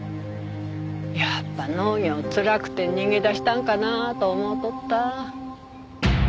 やっぱ農業つらくて逃げ出したんかなと思うとった。